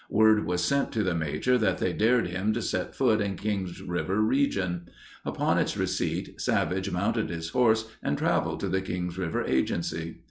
Word was sent to the Major that they dared him to set foot in Kings River region. Upon its receipt, Savage mounted his horse and traveled to the Kings River Agency.